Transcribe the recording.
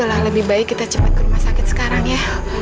kalau lebih baik kita cepat ke rumah sakit sekarang ya